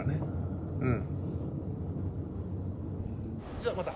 じゃあまた。